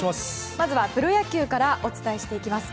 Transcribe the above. まずはプロ野球からお伝えしていきます。